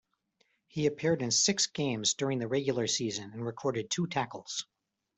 He appeared in six games during the regular season and recorded two tackles.